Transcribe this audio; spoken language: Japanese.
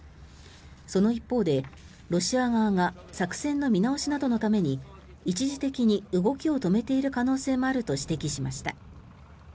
その一方でロシア側が作戦の見直しなどのために一時的に動きを止めている可能性もあると指摘しました。